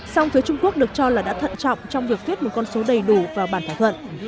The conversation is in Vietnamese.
song phía trung quốc được cho là đã thận trọng trong việc viết một con số đầy đủ vào bản thỏa thuận